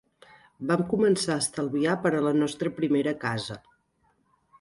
Vam començar a estalviar per a la nostra primera casa.